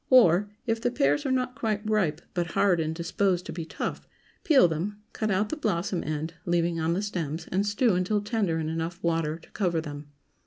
Or, If the pears are not quite ripe, but hard and disposed to be tough, peel them, cut out the blossom end, leaving on the stems, and stew until tender in enough water to cover them.